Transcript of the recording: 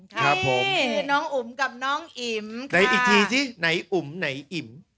ครับผมนี่คือน้องอุ๋มกับน้องอิ๋มไหนอีกทีสิไหนอุ๋มไหนอิ๋ม